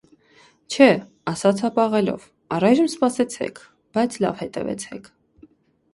- Չէ,- ասաց հապաղելով,- առայժմ սպասեցեք, բայց լավ հետևեցեք: